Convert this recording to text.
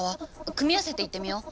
組み合わせて言ってみよう。